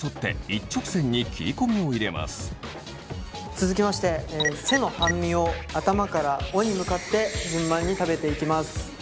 続きまして背の半身を頭から尾に向かって順番に食べていきます。